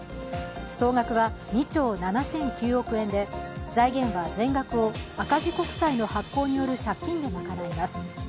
総額は２兆７００９億円で財源は全額を赤字国債の発行による借金で賄います。